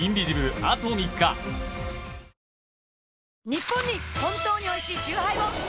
ニッポンに本当においしいチューハイを！